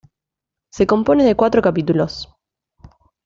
Se compone de cuatro capítulos.